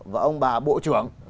và ông bà bộ trưởng